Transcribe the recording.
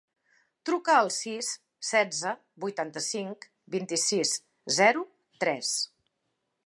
Truca al sis, setze, vuitanta-cinc, vint-i-sis, zero, tres.